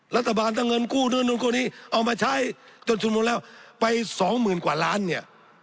รัฐบาลต้องเงินกู้เนินกู้นี้เอามาใช้จนทุนละมูลไป๒๐๐๐๐กว่าล้านเนี่ย